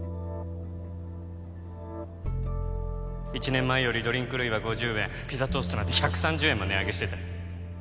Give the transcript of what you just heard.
１年前よりドリンク類は５０円ピザトーストなんて１３０円も値上げしてた